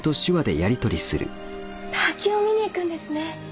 滝を見に行くんですね。